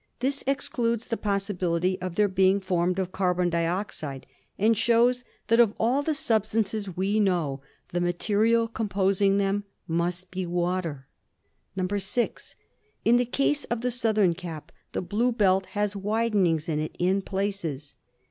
This excludes the possibil ity of their being formed of carbon dioxide and shows that of all the substances we know the material composing them must be water. "(6) In the case of the southern cap, the blue belt has widenings in it in places.